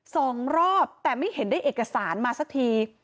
สองรอบแต่ไม่เห็นได้เอกสารมาสักที